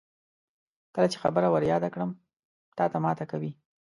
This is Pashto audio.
کله چې خبره ور یاده کړم تاته ماته کوي.